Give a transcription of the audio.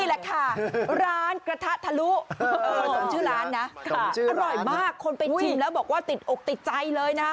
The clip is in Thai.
ร้านกระทะทะลุอร่อยมากคนไปทิมแล้วบอกว่าติดอกติดใจเลยนะ